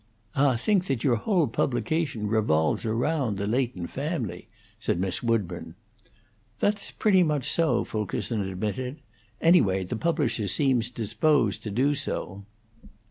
"Ah think that your whole publication revolves aroand the Leighton family," said Miss Woodburn. "That's pretty much so," Fulkerson admitted. "Anyhow, the publisher seems disposed to do so."